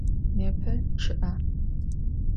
Nêpe ççı'e.